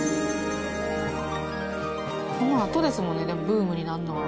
このあとですもんねでもブームになるのは。